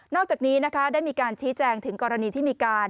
อกจากนี้นะคะได้มีการชี้แจงถึงกรณีที่มีการ